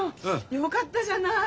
よかったじゃない！